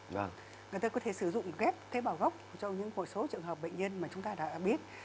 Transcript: người ta có thể sử dụng ghép tế bào gốc trong những một số trường hợp bệnh nhân mà chúng ta đã biết